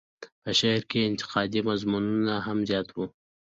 په شعر کې یې انتقادي مضمونونه هم زیات وو.